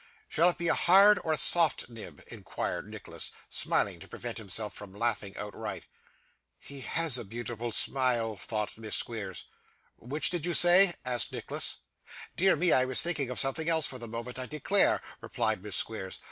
'Shall it be a hard or a soft nib?' inquired Nicholas, smiling to prevent himself from laughing outright. 'He HAS a beautiful smile,' thought Miss Squeers. 'Which did you say?' asked Nicholas. 'Dear me, I was thinking of something else for the moment, I declare,' replied Miss Squeers.